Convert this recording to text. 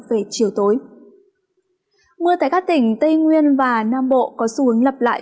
và tối mưa tại các tỉnh tây nguyên và nam bộ có xu hướng lặp lại